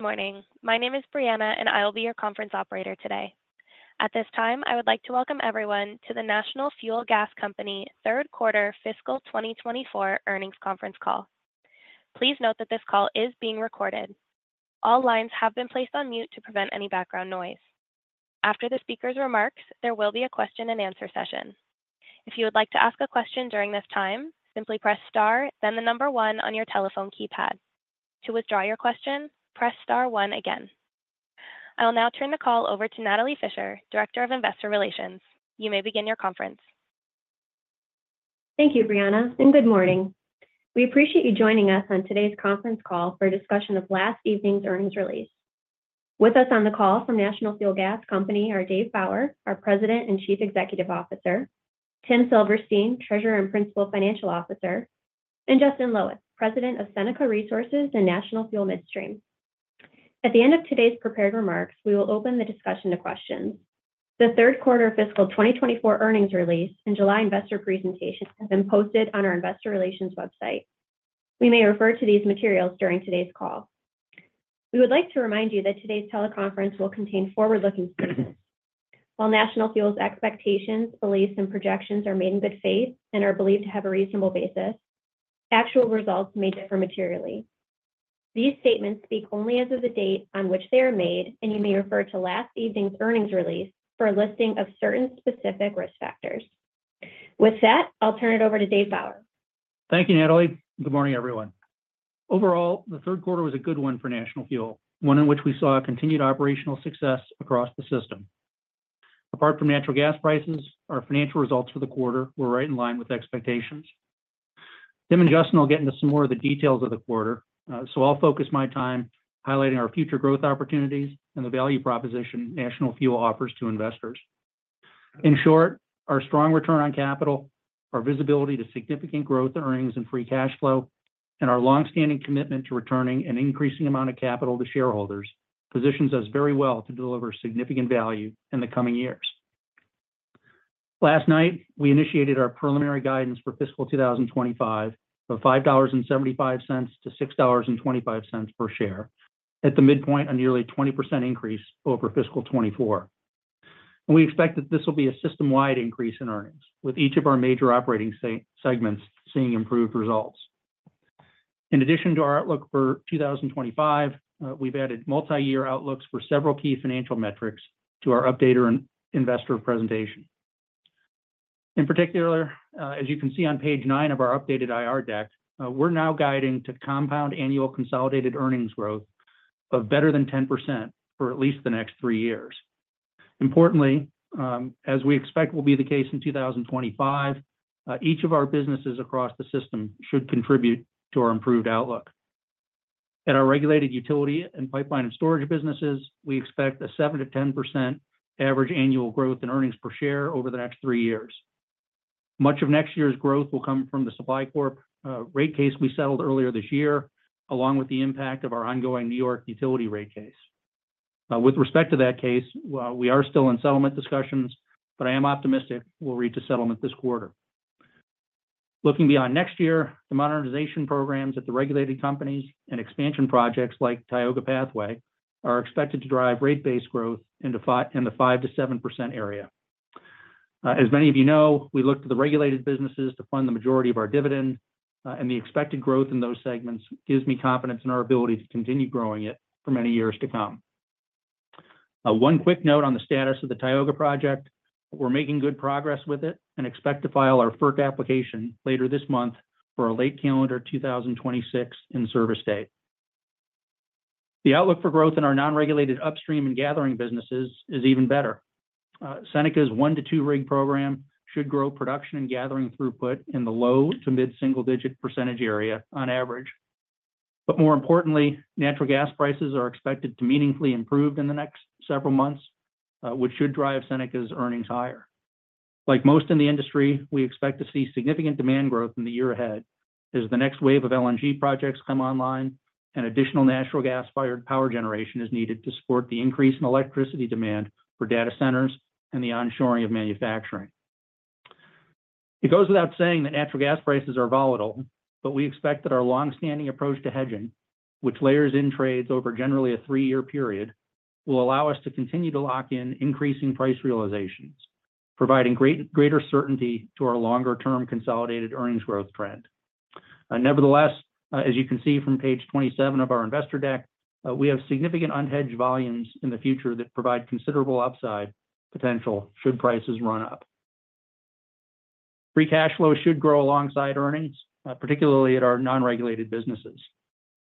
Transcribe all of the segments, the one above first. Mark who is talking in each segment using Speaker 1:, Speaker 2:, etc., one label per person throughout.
Speaker 1: Good morning. My name is Brianna and I'll be your conference operator today. At this time, I would like to welcome everyone to the National Fuel Gas Company Q3 fiscal 2024 earnings conference call. Please note that this call is being recorded. All lines have been placed on mute to prevent any background noise. After the speaker's remarks, there will be a question and answer session. If you would like to ask a question during this time, simply press star, then the number one on your telephone keypad. To withdraw your question, press star one again. I will now turn the call over to Natalie Fischer, Director of Investor Relations. You may begin your conference.
Speaker 2: Thank you, Brianna, and good morning. We appreciate you joining us on today's conference call for a discussion of last evening's earnings release. With us on the call from National Fuel Gas Company are Dave Bauer, our President and Chief Executive Officer, Tim Silverstein, Treasurer and Principal Financial Officer, and Justin Loweth, President of Seneca Resources and National Fuel Midstream. At the end of today's prepared remarks, we will open the discussion to questions. The Q3 fiscal 2024 earnings release and July investor presentation have been posted on our investor relations website. We may refer to these materials during today's call. We would like to remind you that today's teleconference will contain forward-looking statements. While National Fuel's expectations, beliefs, and projections are made in good faith and are believed to have a reasonable basis, actual results may differ materially. These statements speak only as of the date on which they are made, and you may refer to last evening's earnings release for a listing of certain specific risk factors. With that, I'll turn it over to Dave Bauer.
Speaker 3: Thank you, Natalie. Good morning, everyone. Overall, the Q3 was a good one for National Fuel, one in which we saw continued operational success across the system. Apart from natural gas prices, our financial results for the quarter were right in line with expectations. Tim and Justin will get into some more of the details of the quarter, so I'll focus my time highlighting our future growth opportunities and the value proposition National Fuel offers to investors. In short, our strong return on capital, our visibility to significant growth earnings and free cash flow, and our longstanding commitment to returning an increasing amount of capital to shareholders positions us very well to deliver significant value in the coming years. Last night, we initiated our preliminary guidance for fiscal 2025 of $5.75-$6.25 per share, at the midpoint a nearly 20% increase over fiscal 2024. We expect that this will be a system-wide increase in earnings, with each of our major operating segments seeing improved results. In addition to our outlook for 2025, we've added multi-year outlooks for several key financial metrics to our updated investor presentation. In particular, as you can see on page nine of our updated IR deck, we're now guiding to compound annual consolidated earnings growth of better than 10% for at least the next three years. Importantly, as we expect will be the case in 2025, each of our businesses across the system should contribute to our improved outlook. At our regulated utility and pipeline and storage businesses, we expect a 7%-10% average annual growth in earnings per share over the next three years. Much of next year's growth will come from the Supply Corp rate case we settled earlier this year, along with the impact of our ongoing New York utility rate case. With respect to that case, we are still in settlement discussions, but I am optimistic we'll reach a settlement this quarter. Looking beyond next year, the modernization programs at the regulated companies and expansion projects like Tioga Pathway are expected to drive rate-based growth in the 5%-7% area. As many of you know, we look to the regulated businesses to fund the majority of our dividend, and the expected growth in those segments gives me confidence in our ability to continue growing it for many years to come. One quick note on the status of the Tioga project: we're making good progress with it and expect to file our FERC application later this month for a late calendar 2026 in service state. The outlook for growth in our non-regulated upstream and gathering businesses is even better. Seneca's 1-2 rig program should grow production and gathering throughput in the low- to mid-single-digit % area on average. But more importantly, natural gas prices are expected to meaningfully improve in the next several months, which should drive Seneca's earnings higher. Like most in the industry, we expect to see significant demand growth in the year ahead as the next wave of LNG projects come online and additional natural gas-fired power generation is needed to support the increase in electricity demand for data centers and the onshoring of manufacturing. It goes without saying that natural gas prices are volatile, but we expect that our longstanding approach to hedging, which layers in trades over generally a three-year period, will allow us to continue to lock in increasing price realizations, providing greater certainty to our longer-term consolidated earnings growth trend. Nevertheless, as you can see from page 27 of our investor deck, we have significant unhedged volumes in the future that provide considerable upside potential should prices run up. Free cash flow should grow alongside earnings, particularly at our non-regulated businesses.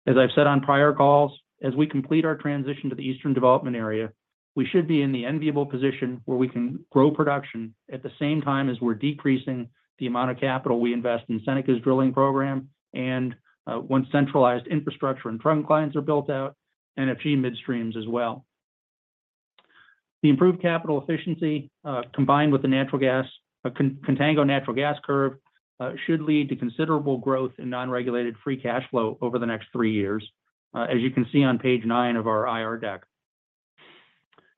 Speaker 3: As I've said on prior calls, as we complete our transition to the Eastern Development Area, we should be in the enviable position where we can grow production at the same time as we're decreasing the amount of capital we invest in Seneca's drilling program and once centralized infrastructure and trunk lines are built out, NFG Midstream's as well. The improved capital efficiency combined with the natural gas contango natural gas curve should lead to considerable growth in non-regulated free cash flow over the next three years, as you can see on page nine of our IR deck.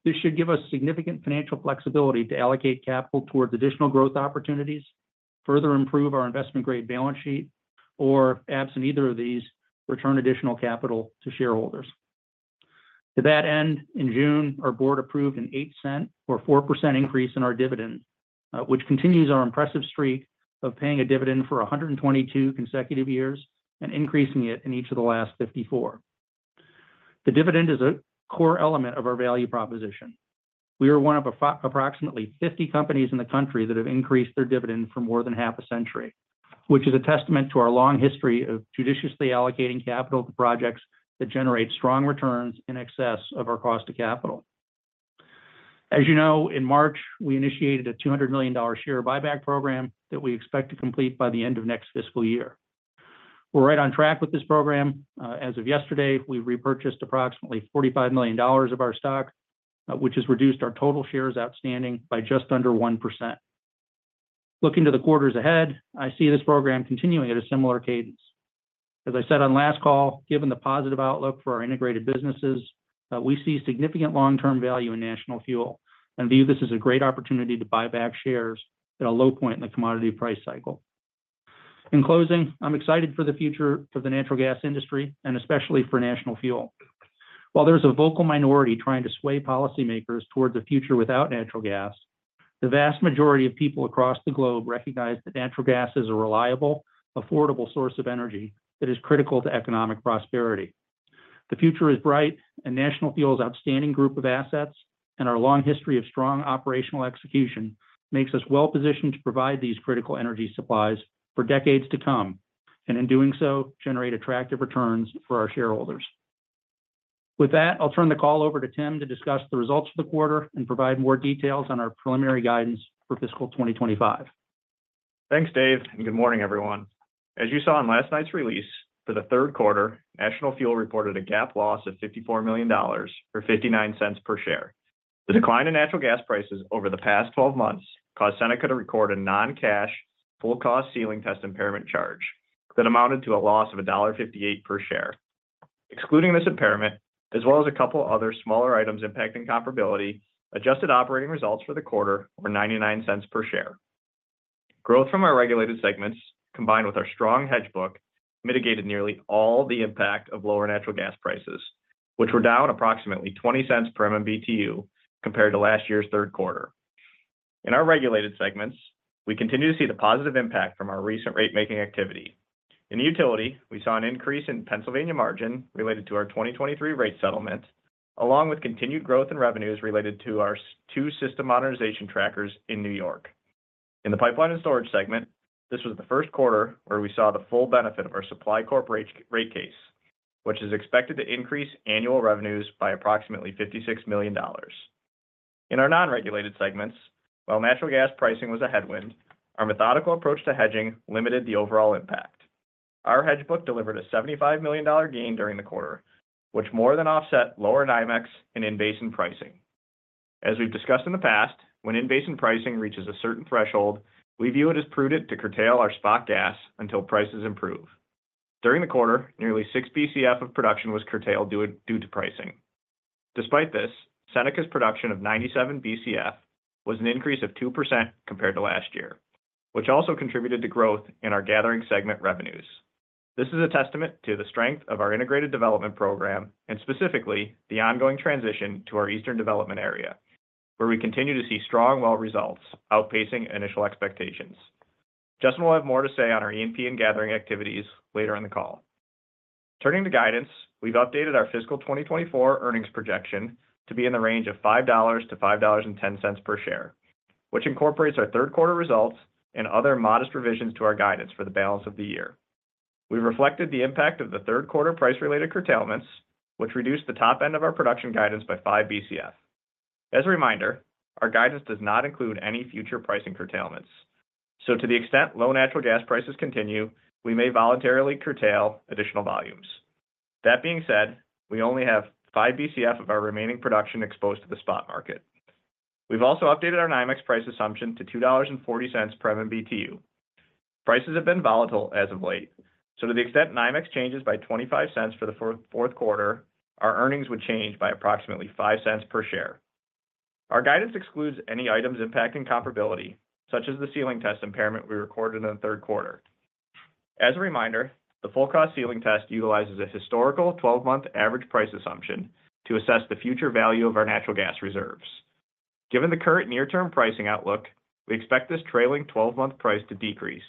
Speaker 3: This should give us significant financial flexibility to allocate capital towards additional growth opportunities, further improve our investment-grade balance sheet, or, absent either of these, return additional capital to shareholders. To that end, in June, our board approved an eight-cent or 4% increase in our dividend, which continues our impressive streak of paying a dividend for 122 consecutive years and increasing it in each of the last 54. The dividend is a core element of our value proposition. We are one of approximately 50 companies in the country that have increased their dividend for more than half a century, which is a testament to our long history of judiciously allocating capital to projects that generate strong returns in excess of our cost of capital. As you know, in March, we initiated a $200 million share buyback program that we expect to complete by the end of next fiscal year. We're right on track with this program. As of yesterday, we've repurchased approximately $45 million of our stock, which has reduced our total shares outstanding by just under 1%. Looking to the quarters ahead, I see this program continuing at a similar cadence. As I said on last call, given the positive outlook for our integrated businesses, we see significant long-term value in National Fuel and view this as a great opportunity to buy back shares at a low point in the commodity price cycle. In closing, I'm excited for the future of the natural gas industry and especially for National Fuel. While there's a vocal minority trying to sway policymakers towards a future without natural gas, the vast majority of people across the globe recognize that natural gas is a reliable, affordable source of energy that is critical to economic prosperity. The future is bright, and National Fuel's outstanding group of assets and our long history of strong operational execution makes us well positioned to provide these critical energy supplies for decades to come and, in doing so, generate attractive returns for our shareholders. With that, I'll turn the call over to Tim to discuss the results of the quarter and provide more details on our preliminary guidance for fiscal 2025.
Speaker 4: Thanks, Dave, and good morning, everyone. As you saw in last night's release, for the Q3, National Fuel reported a GAAP loss of $54 million or $0.59 per share. The decline in natural gas prices over the past 12 months caused Seneca to record a non-cash full cost ceiling test impairment charge that amounted to a loss of $1.58 per share. Excluding this impairment, as well as a couple of other smaller items impacting comparability, adjusted operating results for the quarter were $0.99 per share. Growth from our regulated segments, combined with our strong hedge book, mitigated nearly all the impact of lower natural gas prices, which were down approximately $0.20 per MMBTU compared to last year's Q3. In our regulated segments, we continue to see the positive impact from our recent rate-making activity. In utility, we saw an increase in Pennsylvania margin related to our 2023 rate settlement, along with continued growth in revenues related to our two system modernization trackers in New York. In the pipeline and storage segment, this was the Q1 where we saw the full benefit of our Supply Corp rate case, which is expected to increase annual revenues by approximately $56 million. In our non-regulated segments, while natural gas pricing was a headwind, our methodical approach to hedging limited the overall impact. Our hedge book delivered a $75 million gain during the quarter, which more than offset lower NYMEX and in-basin pricing. As we've discussed in the past, when in-basin pricing reaches a certain threshold, we view it as prudent to curtail our spot gas until prices improve. During the quarter, nearly 6 BCF of production was curtailed due to pricing. Despite this, Seneca's production of 97 BCF was an increase of 2% compared to last year, which also contributed to growth in our gathering segment revenues. This is a testament to the strength of our integrated development program and specifically the ongoing transition to our eastern development area, where we continue to see strong well results outpacing initial expectations. Justin will have more to say on our E&P and gathering activities later in the call. Turning to guidance, we've updated our fiscal 2024 earnings projection to be in the range of $5-$5.10 per share, which incorporates our Q3 results and other modest revisions to our guidance for the balance of the year. We've reflected the impact of the Q3 price-related curtailments, which reduced the top end of our production guidance by 5 BCF. As a reminder, our guidance does not include any future pricing curtailments, so to the extent low natural gas prices continue, we may voluntarily curtail additional volumes. That being said, we only have 5 BCF of our remaining production exposed to the spot market. We've also updated our NYMEX price assumption to $2.40 per MMBTU. Prices have been volatile as of late, so to the extent NYMEX changes by $0.25 for the fourth quarter, our earnings would change by approximately $0.05 per share. Our guidance excludes any items impacting comparability, such as the ceiling test impairment we recorded in the Q3. As a reminder, the full cost ceiling test utilizes a historical 12-month average price assumption to assess the future value of our natural gas reserves. Given the current near-term pricing outlook, we expect this trailing 12-month price to decrease,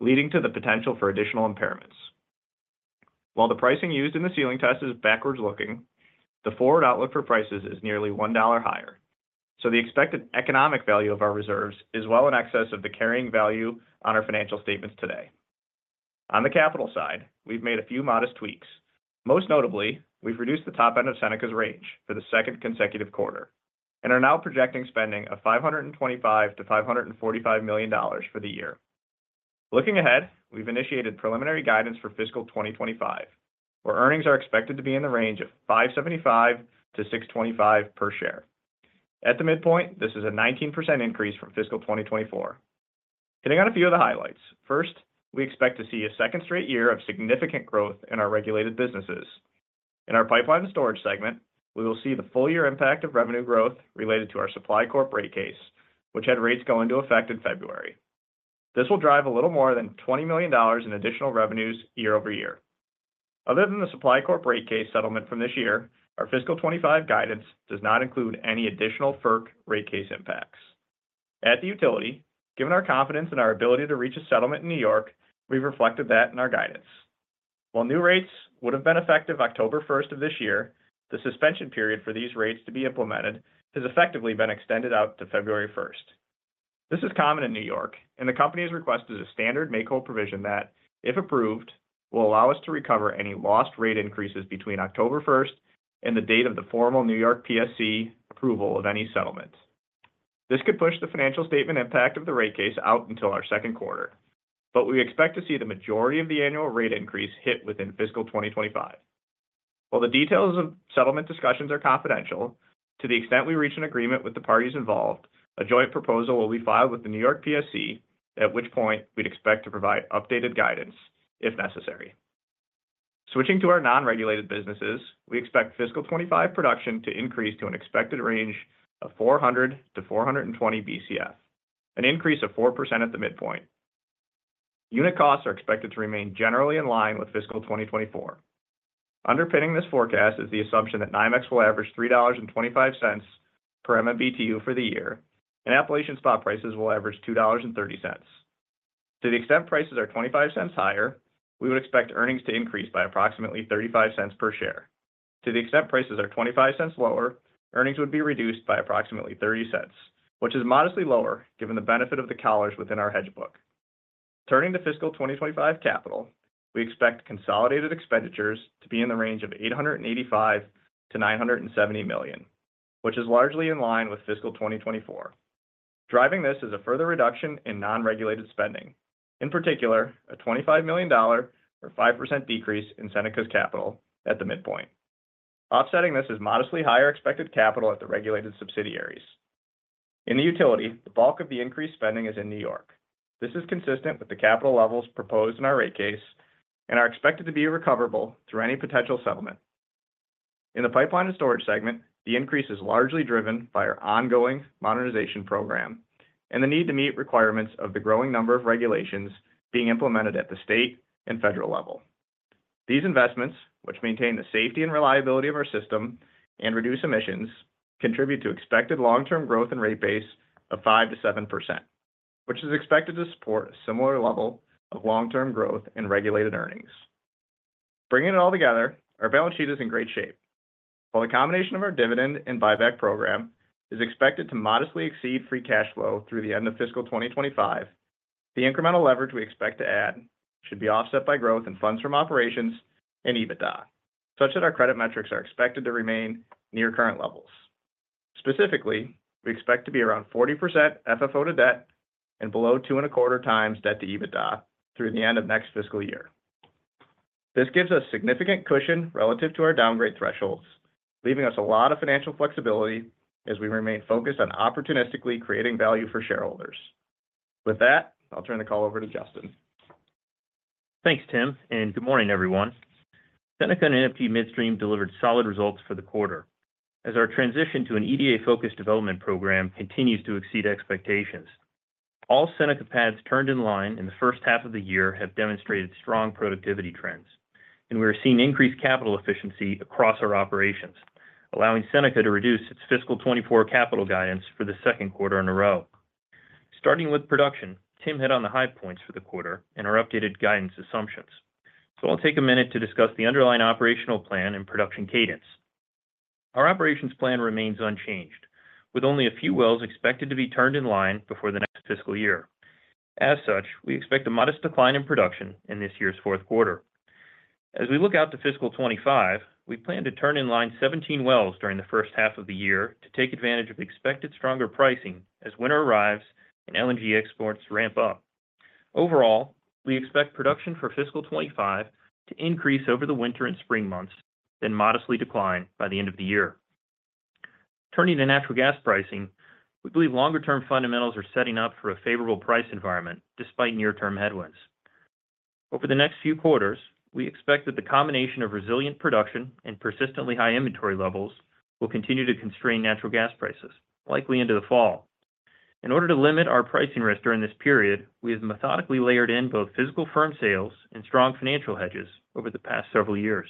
Speaker 4: leading to the potential for additional impairments. While the pricing used in the ceiling test is backwards-looking, the forward outlook for prices is nearly $1 higher, so the expected economic value of our reserves is well in excess of the carrying value on our financial statements today. On the capital side, we've made a few modest tweaks. Most notably, we've reduced the top end of Seneca's range for the second consecutive quarter and are now projecting spending of $525-$545 million for the year. Looking ahead, we've initiated preliminary guidance for fiscal 2025, where earnings are expected to be in the range of $575-$625 per share. At the midpoint, this is a 19% increase from fiscal 2024. Hitting on a few of the highlights, first, we expect to see a second straight year of significant growth in our regulated businesses. In our pipeline and storage segment, we will see the full year impact of revenue growth related to our Supply Corp rate case, which had rates go into effect in February. This will drive a little more than $20 million in additional revenues quarter-over-quarter. Other than the Supply Corp rate case settlement from this year, our fiscal 2025 guidance does not include any additional FERC rate case impacts. At the utility, given our confidence in our ability to reach a settlement in New York, we've reflected that in our guidance. While new rates would have been effective October 1st of this year, the suspension period for these rates to be implemented has effectively been extended out to February 1st. This is common in New York, and the company has requested a standard make-whole provision that, if approved, will allow us to recover any lost rate increases between October 1st and the date of the formal New York PSC approval of any settlement. This could push the financial statement impact of the rate case out until our Q2, but we expect to see the majority of the annual rate increase hit within fiscal 2025. While the details of settlement discussions are confidential, to the extent we reach an agreement with the parties involved, a joint proposal will be filed with the New York PSC, at which point we'd expect to provide updated guidance if necessary. Switching to our non-regulated businesses, we expect fiscal 2025 production to increase to an expected range of 400-420 BCF, an increase of 4% at the midpoint. Unit costs are expected to remain generally in line with fiscal 2024. Underpinning this forecast is the assumption that NYMEX will average $3.25 per MMBTU for the year, and Appalachian spot prices will average $2.30. To the extent prices are $0.25 higher, we would expect earnings to increase by approximately $0.35 per share. To the extent prices are $0.25 lower, earnings would be reduced by approximately $0.30, which is modestly lower given the benefit of the collars within our hedge book. Turning to fiscal 2025 capital, we expect consolidated expenditures to be in the range of $885-$970 million, which is largely in line with fiscal 2024. Driving this is a further reduction in non-regulated spending, in particular a $25 million or 5% decrease in Seneca's capital at the midpoint. Offsetting this is modestly higher expected capital at the regulated subsidiaries. In the utility, the bulk of the increased spending is in New York. This is consistent with the capital levels proposed in our rate case and are expected to be recoverable through any potential settlement. In the pipeline and storage segment, the increase is largely driven by our ongoing modernization program and the need to meet requirements of the growing number of regulations being implemented at the state and federal level. These investments, which maintain the safety and reliability of our system and reduce emissions, contribute to expected long-term growth and rate base of 5%-7%, which is expected to support a similar level of long-term growth in regulated earnings. Bringing it all together, our balance sheet is in great shape. While the combination of our dividend and buyback program is expected to modestly exceed free cash flow through the end of fiscal 2025, the incremental leverage we expect to add should be offset by growth in funds from operations and EBITDA, such that our credit metrics are expected to remain near current levels. Specifically, we expect to be around 40% FFO to debt and below 2.25 times debt to EBITDA through the end of next fiscal year. This gives us significant cushion relative to our downgrade thresholds, leaving us a lot of financial flexibility as we remain focused on opportunistically creating value for shareholders. With that, I'll turn the call over to Justin.
Speaker 5: Thanks, Tim, and good morning, everyone. Seneca and NF Midstream delivered solid results for the quarter as our transition to an EDA-focused development program continues to exceed expectations. All Seneca pads turned in line in the H1 of the year have demonstrated strong productivity trends, and we are seeing increased capital efficiency across our operations, allowing Seneca to reduce its fiscal 2024 capital guidance for the Q2 in a row. Starting with production, Tim hit on the high points for the quarter and our updated guidance assumptions. So I'll take a minute to discuss the underlying operational plan and production cadence. Our operations plan remains unchanged, with only a few wells expected to be turned in line before the next fiscal year. As such, we expect a modest decline in production in this year's fourth quarter. As we look out to fiscal 2025, we plan to turn in line 17 wells during the H1 of the year to take advantage of expected stronger pricing as winter arrives and LNG exports ramp up. Overall, we expect production for fiscal 2025 to increase over the winter and spring months, then modestly decline by the end of the year. Turning to natural gas pricing, we believe longer-term fundamentals are setting up for a favorable price environment despite near-term headwinds. Over the next few quarters, we expect that the combination of resilient production and persistently high inventory levels will continue to constrain natural gas prices, likely into the fall. In order to limit our pricing risk during this period, we have methodically layered in both physical firm sales and strong financial hedges over the past several years,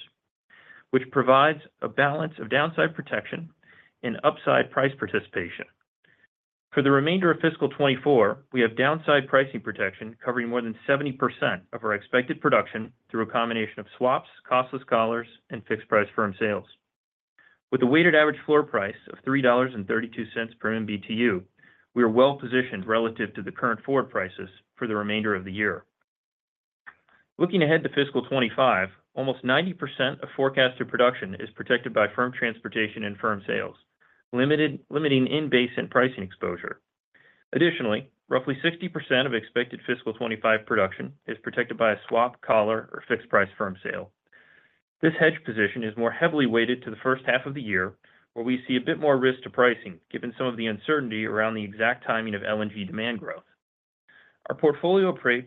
Speaker 5: which provides a balance of downside protection and upside price participation. For the remainder of fiscal 2024, we have downside pricing protection covering more than 70% of our expected production through a combination of swaps, costless collars, and fixed price firm sales. With a weighted average floor price of $3.32 per MMBTU, we are well positioned relative to the current forward prices for the remainder of the year. Looking ahead to fiscal 2025, almost 90% of forecasted production is protected by firm transportation and firm sales, limiting in-basin pricing exposure. Additionally, roughly 60% of expected fiscal 2025 production is protected by a swap, collar, or fixed price firm sale. This hedge position is more heavily weighted to the H1 of the year, where we see a bit more risk to pricing given some of the uncertainty around the exact timing of LNG demand growth. Our portfolio approach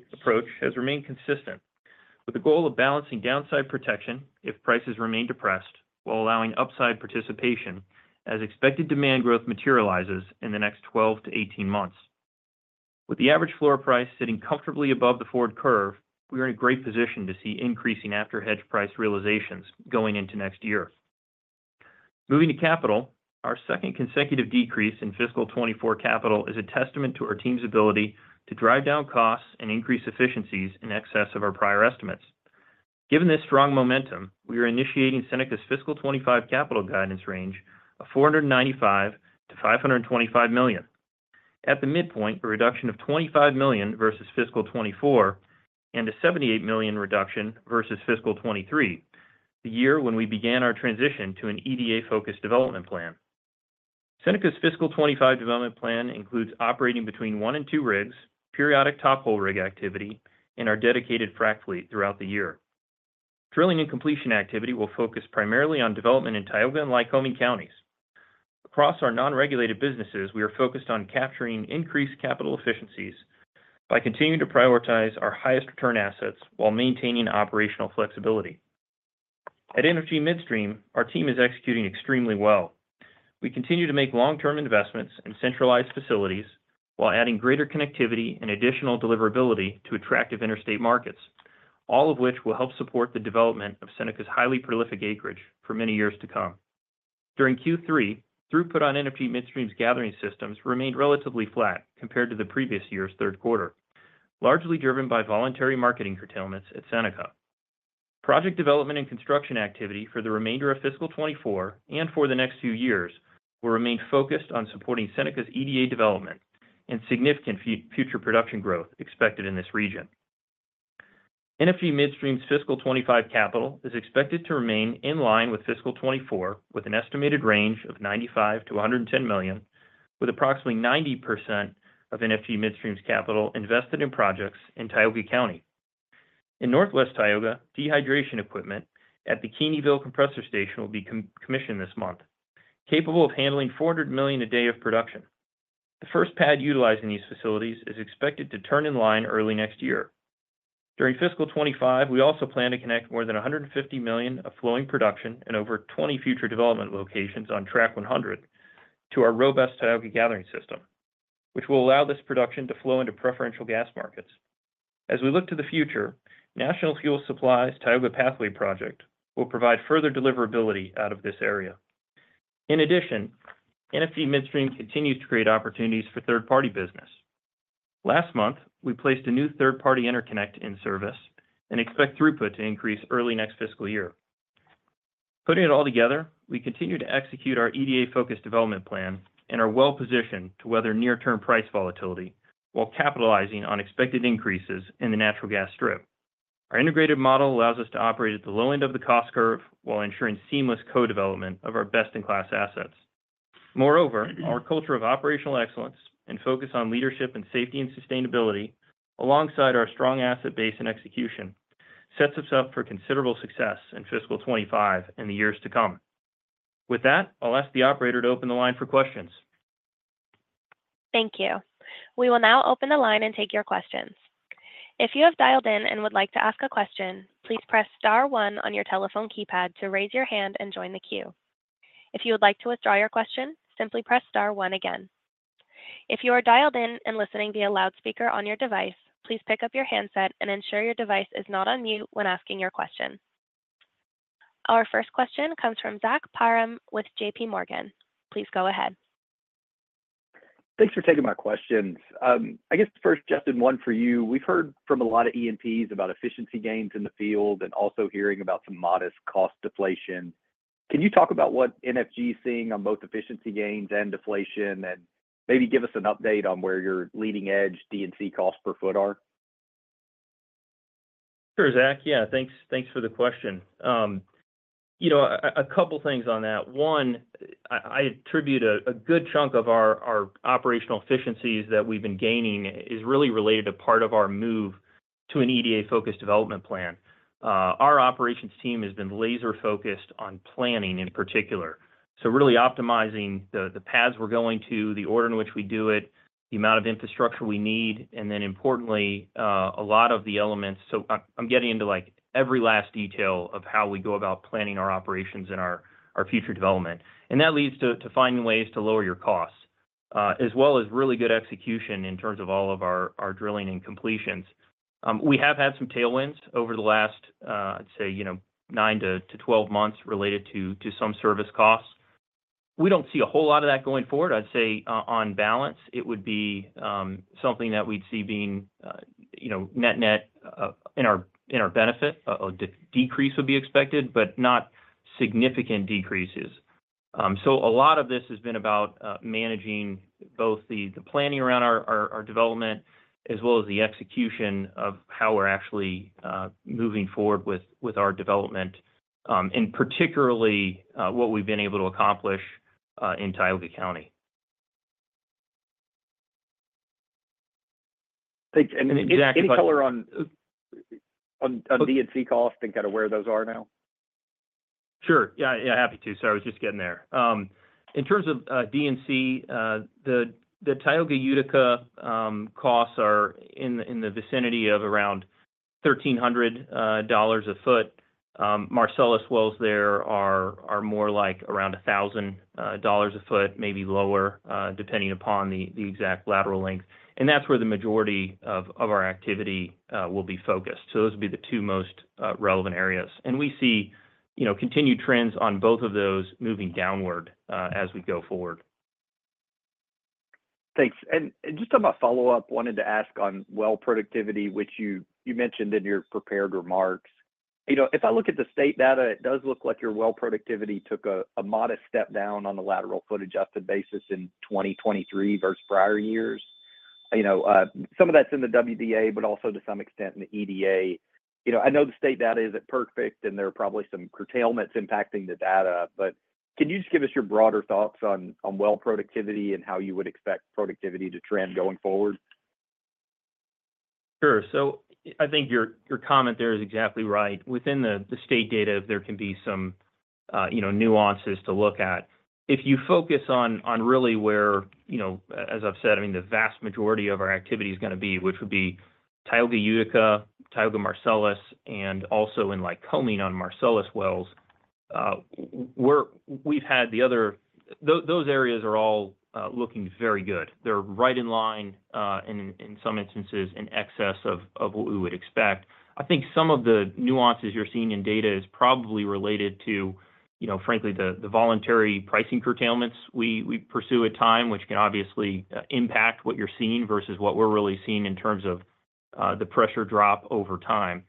Speaker 5: has remained consistent, with the goal of balancing downside protection if prices remain depressed while allowing upside participation as expected demand growth materializes in the next 12 to 18 months. With the average floor price sitting comfortably above the forward curve, we are in a great position to see increasing after-hedge price realizations going into next year. Moving to capital, our second consecutive decrease in fiscal 2024 capital is a testament to our team's ability to drive down costs and increase efficiencies in excess of our prior estimates. Given this strong momentum, we are initiating Seneca's fiscal 2025 capital guidance range, a $495-$525 million. At the midpoint, a reduction of $25 million versus fiscal 2024 and a $78 million reduction versus fiscal 2023, the year when we began our transition to an EDA-focused development plan. Seneca's fiscal 2025 development plan includes operating between one and two rigs, periodic top hole rig activity, and our dedicated frac fleet throughout the year. Drilling and completion activity will focus primarily on development in Tioga County and Lycoming County. Across our non-regulated businesses, we are focused on capturing increased capital efficiencies by continuing to prioritize our highest return assets while maintaining operational flexibility. At NFG Midstream, our team is executing extremely well. We continue to make long-term investments in centralized facilities while adding greater connectivity and additional deliverability to attractive interstate markets, all of which will help support the development of Seneca's highly prolific acreage for many years to come. During Q3, throughput on NFG Midstream's gathering systems remained relatively flat compared to the previous year's Q3, largely driven by voluntary marketing curtailments at Seneca. Project development and construction activity for the remainder of fiscal 2024 and for the next few years will remain focused on supporting Seneca's EDA development and significant future production growth expected in this region. NFG Midstream's fiscal 2025 capital is expected to remain in line with fiscal 2024, with an estimated range of $95-$110 million, with approximately 90% of NFG Midstream's capital invested in projects in Tioga County. In northwest Tioga, dehydration equipment at the Keeneyville Compressor Station will be commissioned this month, capable of handling 400 MMcf a day of production. The first pad utilized in these facilities is expected to turn in line early next year. During fiscal 2025, we also plan to connect more than $150 million of flowing production and over 20 future development locations on Tract 100 to our robust Tioga gathering system, which will allow this production to flow into preferential gas markets. As we look to the future, National Fuel Supply's Tioga Pathway project will provide further deliverability out of this area. In addition, NFG Midstream continues to create opportunities for third-party business. Last month, we placed a new third-party interconnect in service and expect throughput to increase early next fiscal year. Putting it all together, we continue to execute our EDA-focused development plan and are well positioned to weather near-term price volatility while capitalizing on expected increases in the natural gas strip. Our integrated model allows us to operate at the low end of the cost curve while ensuring seamless co-development of our best-in-class assets. Moreover, our culture of operational excellence and focus on leadership in safety and sustainability, alongside our strong asset base and execution, sets us up for considerable success in fiscal 2025 and the years to come. With that, I'll ask the operator to open the line for questions.
Speaker 1: Thank you. We will now open the line and take your questions. If you have dialed in and would like to ask a question, please press star one on your telephone keypad to raise your hand and join the queue. If you would like to withdraw your question, simply press star one again. If you are dialed in and listening via loudspeaker on your device, please pick up your handset and ensure your device is not on mute when asking your question. Our first question comes from Zach Parham with JP Morgan. Please go ahead. Thanks for taking my questions. I guess first, Justin, one for you. We've heard from a lot of EMPs about efficiency gains in the field and also hearing about some modest cost deflation. Can you talk about what NFG is seeing on both efficiency gains and deflation and maybe give us an update on where your leading-edge D&C cost per foot are?
Speaker 5: Sure, Zach. Yeah, thanks for the question. You know, a couple of things on that. One, I attribute a good chunk of our operational efficiencies that we've been gaining is really related to part of our move to an EDA-focused development plan. Our operations team has been laser-focused on planning in particular, so really optimizing the pads we're going to, the order in which we do it, the amount of infrastructure we need, and then importantly, a lot of the elements. So I'm getting into every last detail of how we go about planning our operations and our future development. And that leads to finding ways to lower your costs, as well as really good execution in terms of all of our drilling and completions. We have had some tailwinds over the last, I'd say, 9-12 months related to some service costs. We don't see a whole lot of that going forward. I'd say on balance, it would be something that we'd see being net-net in our benefit. A decrease would be expected, but not significant decreases. So a lot of this has been about managing both the planning around our development as well as the execution of how we're actually moving forward with our development, and particularly what we've been able to accomplish in Tioga County. Thanks. Zach, you can color on D&C cost and kind of where those are now. Sure. Yeah, happy to. Sorry, I was just getting there. In terms of D&C, the Tioga Utica costs are in the vicinity of around $1,300 a foot. Marcellus wells there are more like around $1,000 a foot, maybe lower, depending upon the exact lateral length. That's where the majority of our activity will be focused. Those would be the two most relevant areas. We see continued trends on both of those moving downward as we go forward. Thanks. Just on my follow-up, wanted to ask on well productivity, which you mentioned in your prepared remarks. If I look at the state data, it does look like your well productivity took a modest step down on the lateral foot adjusted basis in 2023 versus prior years. Some of that's in the WDA, but also to some extent in the EDA. I know the state data isn't perfect, and there are probably some curtailments impacting the data, but can you just give us your broader thoughts on well productivity and how you would expect productivity to trend going forward? Sure. So I think your comment there is exactly right. Within the state data, there can be some nuances to look at. If you focus on really where, as I've said, I mean, the vast majority of our activity is going to be, which would be Tioga Utica, Tioga Marcellus, and also in Lycoming on Marcellus wells, we've had the other those areas are all looking very good. They're right in line in some instances in excess of what we would expect. I think some of the nuances you're seeing in data is probably related to, frankly, the voluntary pricing curtailments we pursue at time, which can obviously impact what you're seeing versus what we're really seeing in terms of the pressure drop over time.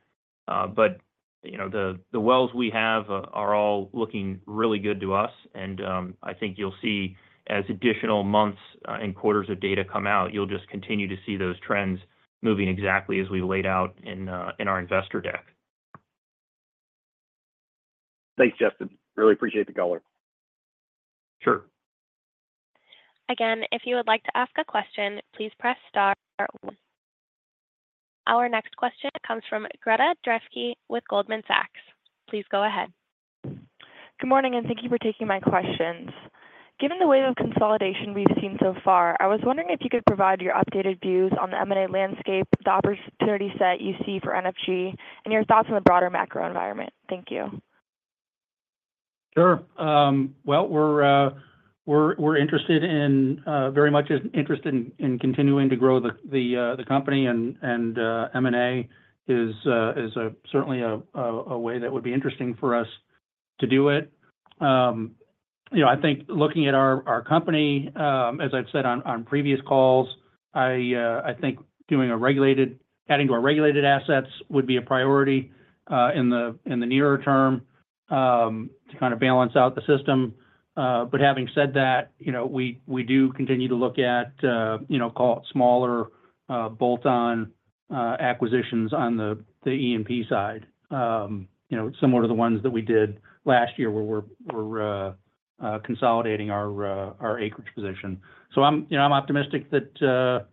Speaker 5: But the wells we have are all looking really good to us. I think you'll see as additional months and quarters of data come out, you'll just continue to see those trends moving exactly as we laid out in our investor deck. Thanks, Justin. Really appreciate the color. Sure.
Speaker 1: Again, if you would like to ask a question, please press star one. Our next question comes from Gretta Dreske with Goldman Sachs. Please go ahead.
Speaker 6: Good morning, and thank you for taking my questions. Given the wave of consolidation we've seen so far, I was wondering if you could provide your updated views on the M&A landscape, the opportunity set you see for NFG, and your thoughts on the broader macro environment. Thank you.
Speaker 3: Sure. Well, we're very much interested in continuing to grow the company, and M&A is certainly a way that would be interesting for us to do it. I think looking at our company, as I've said on previous calls, I think adding to our regulated assets would be a priority in the nearer term to kind of balance out the system. But having said that, we do continue to look at, call it, smaller bolt-on acquisitions on the EMP side, similar to the ones that we did last year where we're consolidating our acreage position. So I'm optimistic that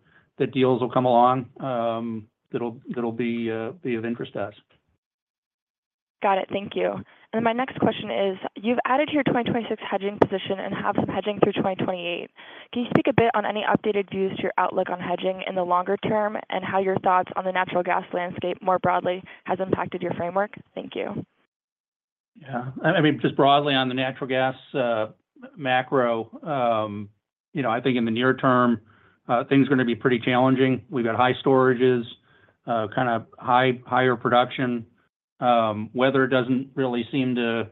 Speaker 3: deals will come along that'll be of interest to us.
Speaker 6: Got it. Thank you. And then my next question is, you've added to your 2026 hedging position and have some hedging through 2028. Can you speak a bit on any updated views to your outlook on hedging in the longer term and how your thoughts on the natural gas landscape more broadly have impacted your framework? Thank you.
Speaker 3: Yeah. I mean, just broadly on the natural gas macro, I think in the near term, things are going to be pretty challenging. We've got high storages, kind of higher production. Weather doesn't really seem to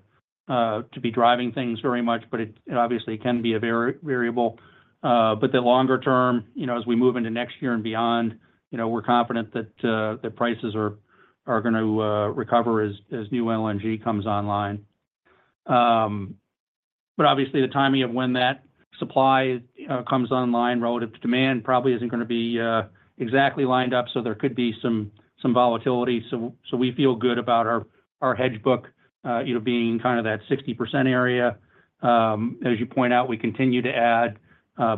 Speaker 3: be driving things very much, but it obviously can be a variable. But the longer term, as we move into next year and beyond, we're confident that prices are going to recover as new LNG comes online. But obviously, the timing of when that supply comes online relative to demand probably isn't going to be exactly lined up, so there could be some volatility. So we feel good about our hedge book being kind of that 60% area. As you point out, we continue to add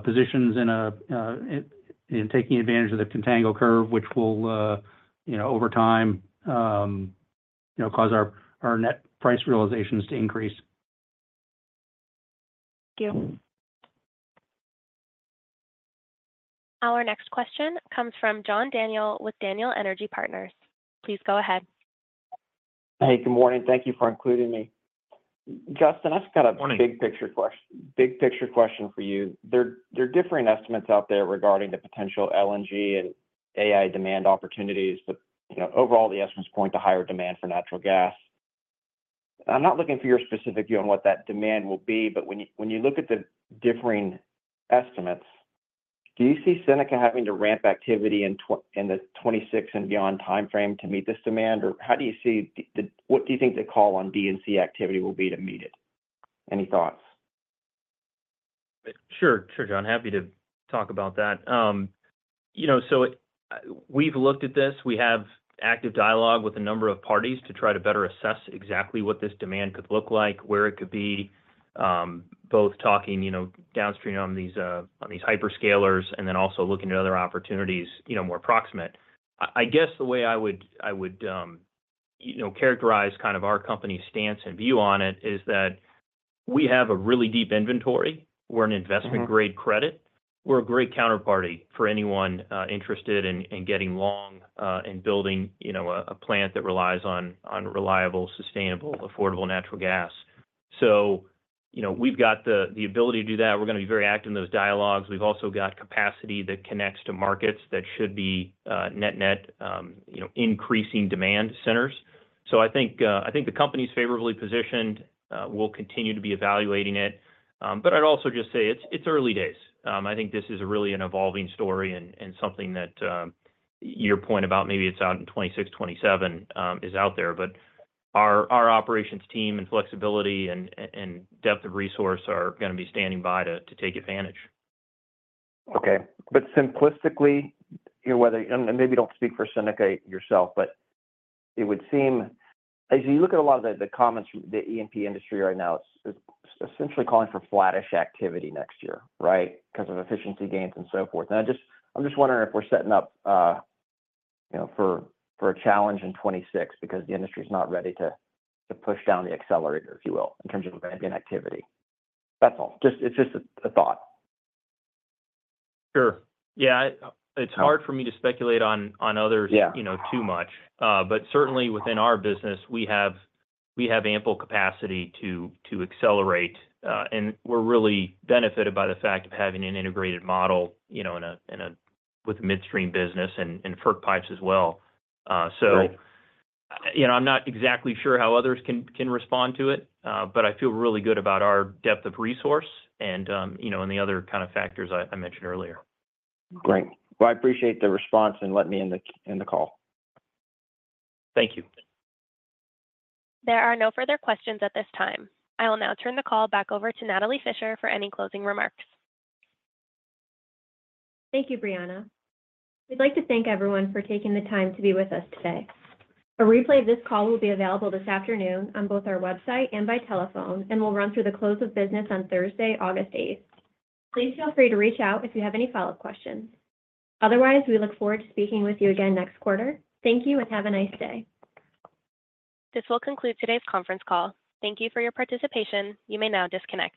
Speaker 3: positions in taking advantage of the contango curve, which will, over time, cause our net price realizations to increase.
Speaker 6: Thank you.
Speaker 1: Our next question comes from John Daniel with Daniel Energy Partners. Please go ahead.
Speaker 7: Hey, good morning. Thank you for including me. Justin, I've got a big picture question for you. There are differing estimates out there regarding the potential LNG and AI demand opportunities, but overall, the estimates point to higher demand for natural gas. I'm not looking for your specific view on what that demand will be, but when you look at the differing estimates, do you see Seneca having to ramp activity in the 2026 and beyond timeframe to meet this demand? Or how do you see what do you think the call on D&C activity will be to meet it? Any thoughts?
Speaker 5: Sure. Sure, John. Happy to talk about that. So we've looked at this. We have active dialogue with a number of parties to try to better assess exactly what this demand could look like, where it could be, both talking downstream on these hyperscalers and then also looking at other opportunities more proximate. I guess the way I would characterize kind of our company's stance and view on it is that we have a really deep inventory. We're an investment-grade credit. We're a great counterparty for anyone interested in getting long and building a plant that relies on reliable, sustainable, affordable natural gas. So we've got the ability to do that. We're going to be very active in those dialogues. We've also got capacity that connects to markets that should be net-net increasing demand centers. So I think the company's favorably positioned. We'll continue to be evaluating it. I'd also just say it's early days. I think this is really an evolving story and something that your point about maybe it's out in 2026, 2027 is out there. Our operations team and flexibility and depth of resource are going to be standing by to take advantage.
Speaker 7: Okay. But simplistically, and maybe don't speak for Seneca yourself, but it would seem as you look at a lot of the comments from the EMP industry right now, it's essentially calling for flattish activity next year, right, because of efficiency gains and so forth. And I'm just wondering if we're setting up for a challenge in 2026 because the industry is not ready to push down the accelerator, if you will, in terms of ambient activity. That's all. It's just a thought.
Speaker 5: Sure. Yeah. It's hard for me to speculate on others too much. But certainly, within our business, we have ample capacity to accelerate. And we're really benefited by the fact of having an integrated model with a midstream business and FERCPP pipes as well. So I'm not exactly sure how others can respond to it, but I feel really good about our depth of resource and the other kind of factors I mentioned earlier.
Speaker 7: Great. Well, I appreciate the response and letting me in the call.
Speaker 5: Thank you.
Speaker 1: There are no further questions at this time. I will now turn the call back over to Natalie Fisher for any closing remarks.
Speaker 2: Thank you, Brianna. We'd like to thank everyone for taking the time to be with us today. A replay of this call will be available this afternoon on both our website and by telephone, and we'll run through the close of business on Thursday, August 8th. Please feel free to reach out if you have any follow-up questions. Otherwise, we look forward to speaking with you again next quarter. Thank you and have a nice day.
Speaker 1: This will conclude today's conference call. Thank you for your participation. You may now disconnect.